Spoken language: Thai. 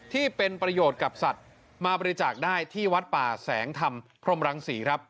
ที่เป็นประโยชน์กับสัตว์มาบริจาคได้ที่วัดป่าแสงธรรมพรมรังศรีครับ